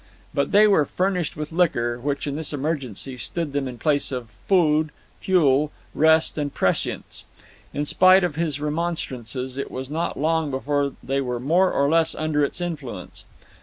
But they were furnished with liquor, which in this emergency stood them in place of food, fuel, rest, and prescience. In spite of his remonstrances, it was not long before they were more or less under its influence.